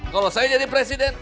kalau saya jadi presiden